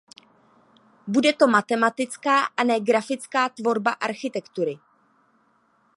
Bude to matematická a ne grafická tvorba architektury.